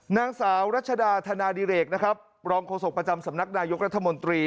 นางสาวรัชดาธนาดิเรกนะครับรองโฆษกประจำสำนักนายกรัฐมนตรี